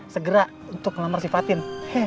segera untuk ngelamar si fatin